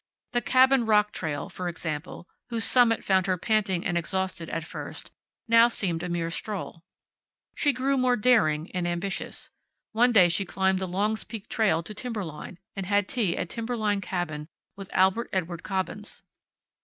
The Cabin Rock trail, for example, whose summit found her panting and exhausted at first, now seemed a mere stroll. She grew more daring and ambitious. One day she climbed the Long's Peak trail to timberline, and had tea at Timberline Cabin with Albert Edward Cobbins.